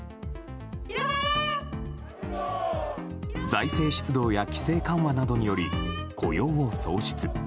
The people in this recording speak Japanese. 財政出動や規制緩和などにより雇用を創出。